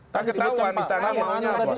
kan ketahuan di setanah